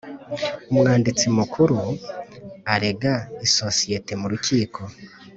Umwanditsi mukuru arega isosiyete mu rukiko